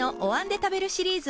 「お椀で食べるシリーズ」